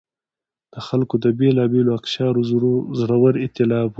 د خلکو د بېلابېلو اقشارو زړور اېتلاف و.